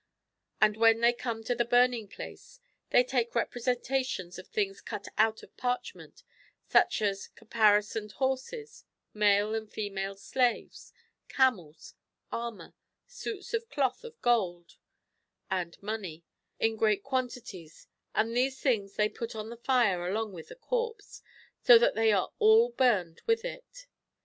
And when they come to the burning place, they take representations of things cut out of parchment, such as caparisoned horses, male and female slaves, camels, armour, suits of cloth of gold (and money), in great quantities, and these things they put on the fire along with the corpse, so that they are all burnt with it.